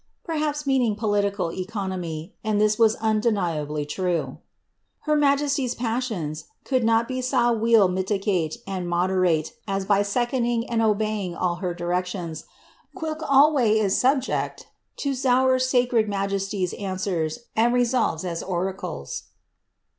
(Perhaps meaning politi cal economy ; and this was undeniably true.) Her majesty^b passions could not be sa weil mitigat and moderat as by seconding and obeying all her directions, quhilk alway is subject to zonr sacred majisty^s an swers and resolves as oracles."